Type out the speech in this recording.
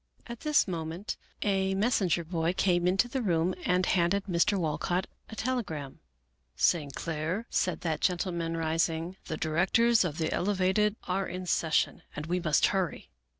At this moment a messenger boy came into the room and 68 Melville Davisson Post handed Mr. Walcott a telegram. " St. Clair," said that gentleman, rising, " the directors of the Elevated are in ses sion, and we must hurry."